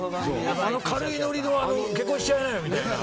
あの軽いノリの結婚しちゃいなよみたいな。